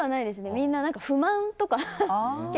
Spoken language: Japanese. みんな、不満とか。